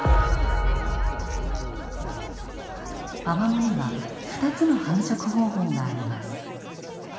アマモには２つの繁殖方法があります。